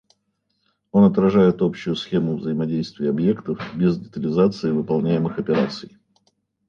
Он отражает общую схему взаимодействия объектов без детализации выполняемых операций